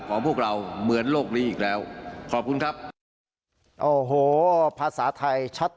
โอ้โหภาษาไทย